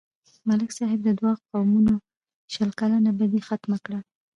ملک صاحب د دوو قومونو شل کلنه بدي ختمه کړه.